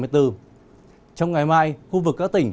trong ngày mai khu vực các tỉnh